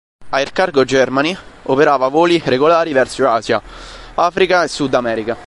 Air Cargo Germany operava voli regolari verso Asia, Africa e Sud America.